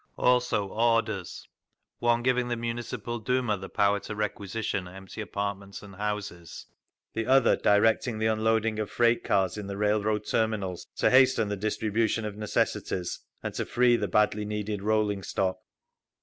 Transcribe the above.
Also orders, one giving the Municipal Duma power to requisition empty apartments and houses, the other directing the unloading of freight cars in the railroad terminals, to hasten the distribution of necessities and to free the badly needed rolling stock….